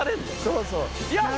「そうそう」